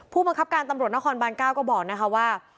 ผู้บังคับการตำรวจนครบาน๙ก็บอกนะคะว่า